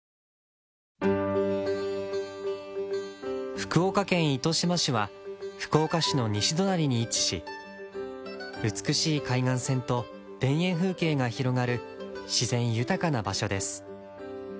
福岡県糸島市は福岡市の西隣に位置し美しい海岸線と田園風景が広がる自然豊かな場所です。